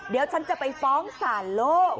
เดี๋ยวฉันจะไปฟ้องศาลโลก